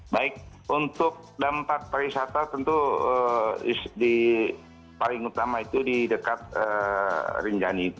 baik untuk dampak pariwisata tentu paling utama itu di dekat rinjani itu